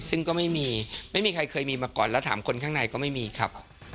ซึ่งก็ไม่มีไม่มีใครเคยมีมาก่อนแล้วถามคนข้างในก็ไม่มีครับ